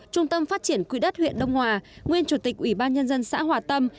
trung tâm phát triển quỹ đất huyện đông hòa nguyên chủ tịch ủy ban nhân dân xã hòa tâm